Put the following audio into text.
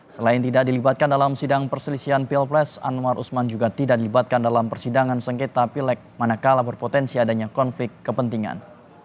selain tidak dilibatkan dalam sidang perselisihan pilpres anwar usman juga tidak dilibatkan dalam persidangan sengketa pilek manakala berpotensi adanya konflik kepentingan